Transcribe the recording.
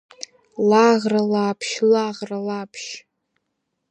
Лаӷра, Лаԥшь, Лаӷра, Лаԥшь!